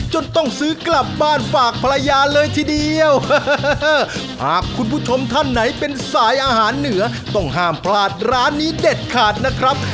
ฮาบคุณผู้ชมท่านไหนเป็นสายอาหารเหนือต้องห้ามพลาดร้านนี้เด็ดขาดนะครับ